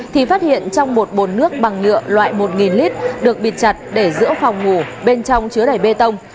thì phát hiện trong một bồn nước bằng nhựa loại một nghìn lit được bịt chặt để giữa phòng ngủ bên trong chứa đẩy bê tông